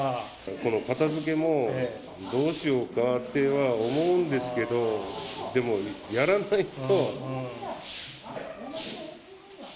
この片づけもどうしようかっていうのは思うんですけど、でもやらないと。